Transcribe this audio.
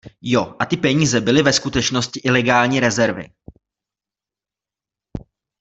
Jo, a ty peníze byly ve skutečnosti ilegální rezervy